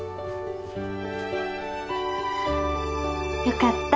よかった。